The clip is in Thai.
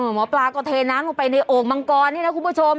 หมอปลาก็เทน้ำลงไปในโอ่งมังกรนี่นะคุณผู้ชม